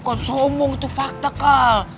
bukan sombong itu fakta kal